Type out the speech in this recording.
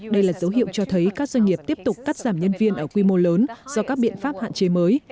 đây là dấu hiệu cho thấy các doanh nghiệp tiếp tục cắt giảm nhân viên ở quy mô lớn do các biện pháp hạn chế mới